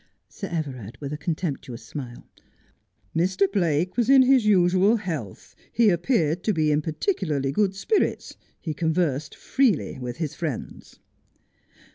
Sir Everard, with a contemptuous smile : Mr. Blake was in his usual health, he appeared to be in particularly good spirits, he conversed freely with his friends.